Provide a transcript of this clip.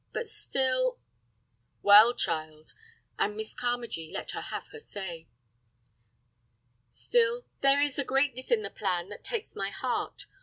But still—" "Well, child," and Miss Carmagee let her have her say. "Still, there is a greatness in the plan that takes my heart.